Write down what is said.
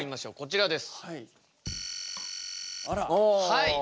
はい。